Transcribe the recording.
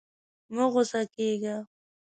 مه غوسه کېږه.